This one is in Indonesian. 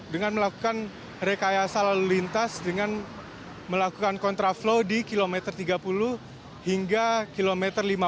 dengan melakukan rekayasa lalu lintas dengan melakukan kontraflow di kilometer tiga puluh hingga kilometer lima puluh